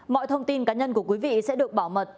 mọi thông tin cá nhân của quý vị sẽ được bảo mật